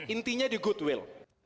intinya di goodwill